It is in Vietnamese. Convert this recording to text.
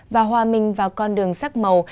và hòa minh vào con đường sắc màu